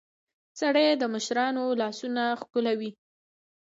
سړى د مشرانو لاسونه ښکلوي.